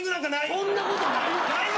そんなことないわ！